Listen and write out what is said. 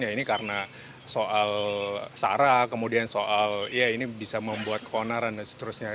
ya ini karena soal sarah kemudian soal ya ini bisa membuat keonaran dan seterusnya